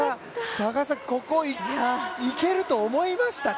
高橋さん、ここいけると思いましたか？